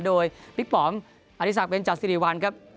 โดยพี่ป๋อมอริสักเบนจัดสิริวัลครับ